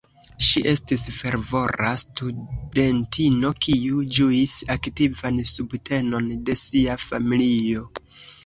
Ŝi estis fervora studentino kiu ĝuis aktivan subtenon de sia familio.